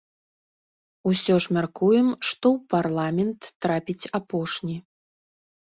Усё ж мяркуем, што ў парламент трапіць апошні.